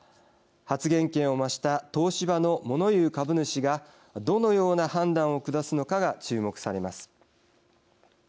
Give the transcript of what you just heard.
発言権を増した東芝の、もの言う株主がどのような判断を下すのかが注目されます。